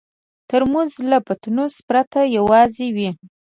ترموز له پتنوس پرته یوازې وي.